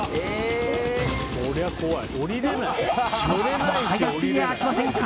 ちょっと速すぎやしませんか？